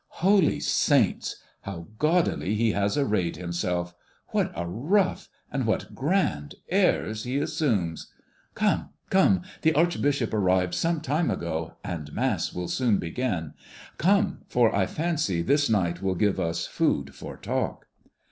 Holy saints! How gaudily he has arrayed himself What a ruff, and what grand airs he assumes! Come, come! the archbishop arrived some time ago, and Mass will soon begin. Come! for I fancy this night will give us food for talk."